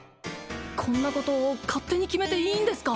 こんなこと勝手に決めていいんですか？